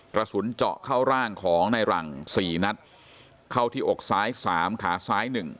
กระสุนเจาะเข้าร่างของในหลังสี่นัดเข้าที่อกซ้ายสามขาซ้ายหนึ่ง